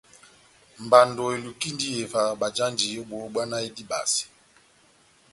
Mbando elukindi iyeva bajanji ó bohó bbwá náh edibase.